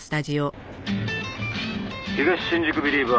「『東新宿ビリーバー』